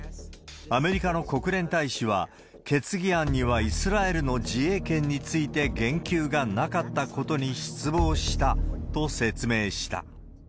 アメリカの国連大使は、決議案にはイスラエルの自衛権について言及がなかったことに失望したと説明した。